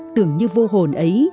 tưởng như vô hồn ấy